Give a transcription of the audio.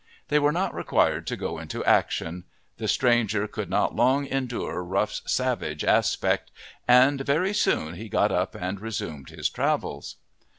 They were not required to go into action; the stranger could not long endure Rough's savage aspect, and very soon he got up and resumed his travels.